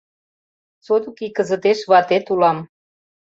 Содыки кызытеш ватет улам.